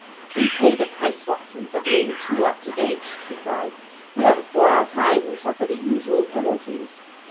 "We pay the price, Watson, for being too up to date!" he cried. "We are before our time, and suffer the usual penalties.